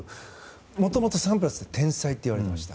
もともと、サンプラスって天才っていわれてました。